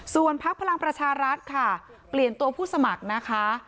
ส่วนพักพลังประชารัฐค่ะเปลี่ยนตัวผู้สมัครนะคะ